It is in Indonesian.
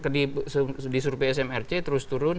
di survei smrc terus turun